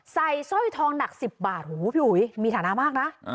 ใส่สร้อยทองหนัก๑๐บาทโอ้โหมีฐานะมากนะ